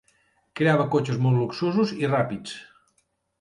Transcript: Creava cotxes molt luxosos i ràpids.